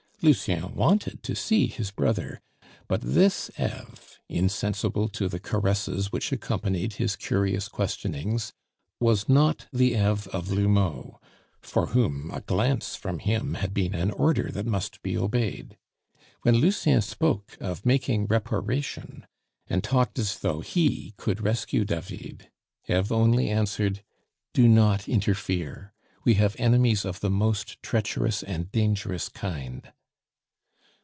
Lucien wanted to see his brother; but this Eve, insensible to the caresses which accompanied his curious questionings, was not the Eve of L'Houmeau, for whom a glance from him had been an order that must be obeyed. When Lucien spoke of making reparation, and talked as though he could rescue David, Eve only answered: "Do not interfere; we have enemies of the most treacherous and dangerous kind."